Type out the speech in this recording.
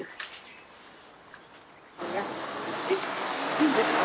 いいんですか？